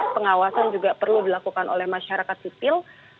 pengawasan juga perlu dilakukan oleh masyarakat sipil